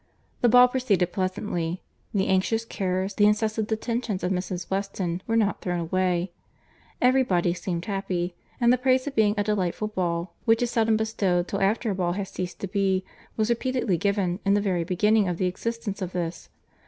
The ball proceeded pleasantly. The anxious cares, the incessant attentions of Mrs. Weston, were not thrown away. Every body seemed happy; and the praise of being a delightful ball, which is seldom bestowed till after a ball has ceased to be, was repeatedly given in the very beginning of the existence of this.